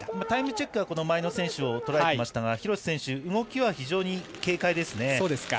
タイムチェックは前の選手をとらえていましたが廣瀬選手、動きは非常に軽快です。